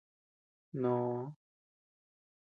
Nòò.